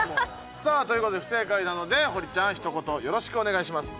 さあという事で不正解なので堀ちゃんひと言よろしくお願いします。